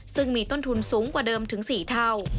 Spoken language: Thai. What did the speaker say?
ซึ่งมีต้นทุนสูงกว่าเดิมถึง๔เท่า